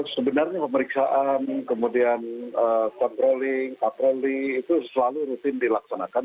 sebenarnya pemeriksaan kemudian controlling patroli itu selalu rutin dilaksanakan